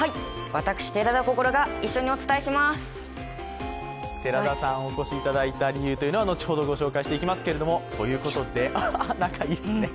私、寺田心が一緒にお伝えします寺田さん、お越しいただいた理由というのは後ほどご紹介していきますけれども、ということで、仲いいですね。